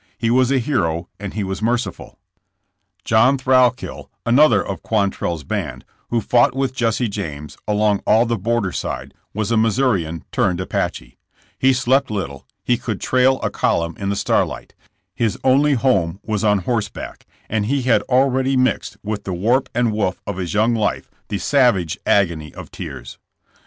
He was a hero and he was merciful. 58 JESSK JAMES. '*John Thrailkill, another of QuantreU's band, who fought with Jesse James along all the border side, wa^ a Missourian turned Apache. He slept little; he could trail a column in the starlight; his only home was on horseback, and he had already mixed with the warp and woof of his young life the savage agony of tears.